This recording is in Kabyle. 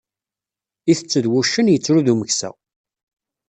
Itett d wuccen yettru d umeksa.